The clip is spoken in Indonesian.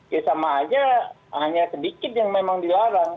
ya sama aja hanya sedikit yang memang dilarang